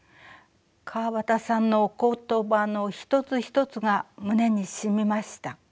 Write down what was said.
川端さんのお言葉の一つ一つが胸にしみました。